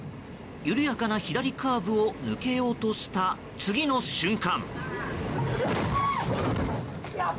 緩やかな左カーブを抜けようとした、次の瞬間。